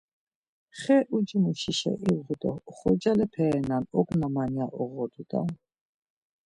Xe ucimuşişa iğu do ‘oxorcalepe renan ognaman’ ya oğodu daa...